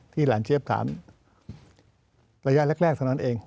ที่หลานเชฟถามระยะแรกทั้งนั้นเอง